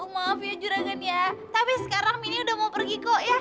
maaf ya curangan ya tapi sekarang mini udah mau pergi kok ya